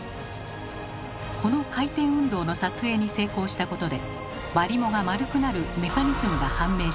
この回転運動の撮影に成功したことでマリモが丸くなるメカニズムが判明しました。